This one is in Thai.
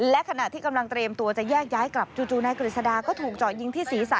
และขณะที่กำลังเตรียมตัวจะแยกย้ายกลับจู่นายกฤษดาก็ถูกเจาะยิงที่ศีรษะ